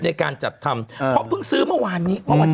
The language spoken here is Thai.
ในการจัดธรรมเขาเพิ่งซื้อเมื่อวานนี้ไม้วันรรที่